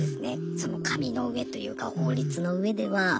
紙の上というか法律の上では。